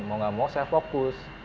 mau gak mau saya fokus